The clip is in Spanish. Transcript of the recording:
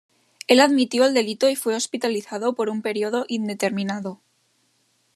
Él admitió el delito y fue hospitalizado por un período indeterminado.